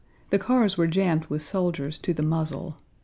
The cars were jammed with soldiers to the muzzle.